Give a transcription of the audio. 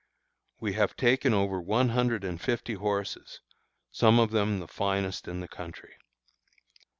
We have taken over one hundred and fifty horses, some of them the finest in the country.